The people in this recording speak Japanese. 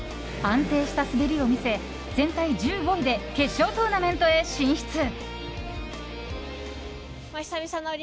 安定した滑りを見せ全体１５位で決勝トーナメントへ進出。